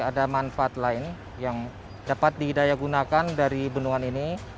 ada manfaat lain yang dapat didaya gunakan dari bendungan ini